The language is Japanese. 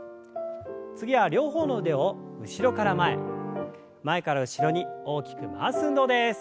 次は両方の腕を後ろから前前から後ろに大きく回す運動です。